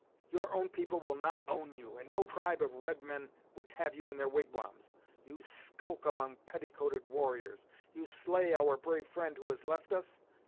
Your own people will not own you, and no tribe of redmen would have you in their wigwams; you skulk among petticoated warriors. You slay our brave friend who has left us?